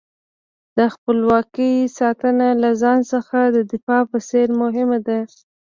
د خپلواکۍ ساتنه له ځان څخه د دفاع په څېر مهمه ده.